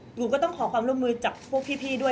หนูก็ต้องขอความร่วมมือจากพวกพี่ด้วย